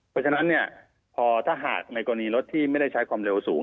เพราะฉะนั้นเนี่ยพอถ้าหากในกรณีรถที่ไม่ได้ใช้ความเร็วสูง